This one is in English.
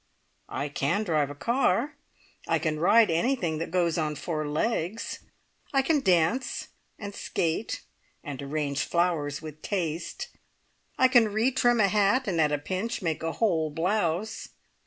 I can drive a car. I can ride anything that goes on four legs. I can dance, and skate, and arrange flowers with taste. I can re trim a hat, and at a pinch make a whole blouse.